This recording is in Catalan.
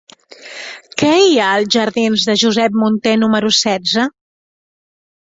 Què hi ha als jardins de Josep Munté número setze?